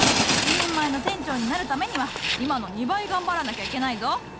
一人前の店長になるためには今の２倍頑張らなきゃいけないぞ！